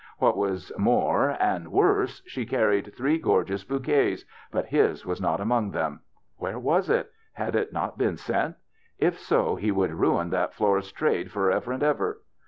What was more and worse, she carried three gorgeous bouquets, but his was not among them. Where was it ? Had it not been sent ? If so, he would ruin that florist's trade for ever and ever.